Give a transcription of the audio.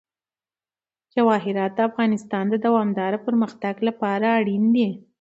جواهرات د افغانستان د دوامداره پرمختګ لپاره اړین دي.